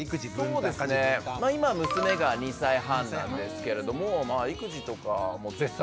今娘が２歳半なんですけれども育児とか絶賛ね